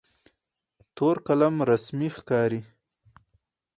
تور قلم رسمي ښکاري.